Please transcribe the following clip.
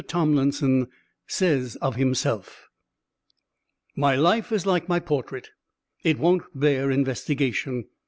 Tomlinson says of himself: My life is like my portrait. It won't bear investigation.